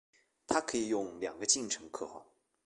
它可以用两个进程刻画。